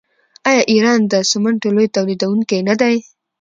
آیا ایران د سمنټو لوی تولیدونکی نه دی؟